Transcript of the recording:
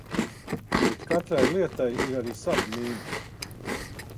Bet katrai lietai ir arī savi mīnusi.